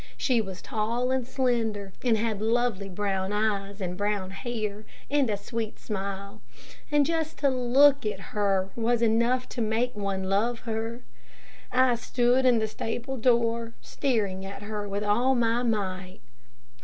She was tall and slender, and had lovely brown eyes and brown hair, and a sweet smile, and just to look at her was enough to make one love her. I stood in the stable door, staring at her with all my might.